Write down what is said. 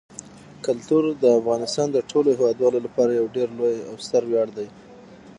کلتور د افغانستان د ټولو هیوادوالو لپاره یو ډېر لوی او ستر ویاړ دی.